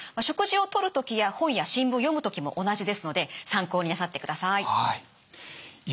食事をとる時や本や新聞を読む時も同じですので参考になさってください。